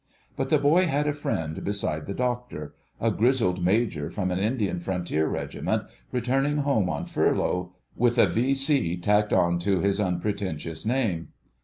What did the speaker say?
But the boy had a friend beside the doctor, a grizzled major from an Indian Frontier regiment, returning home on furlough with a V.C. tacked on to his unpretentious name.